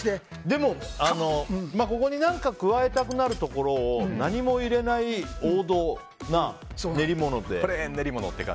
でも、ここに何か加えたくなるところを何も入れない王道な練り物って。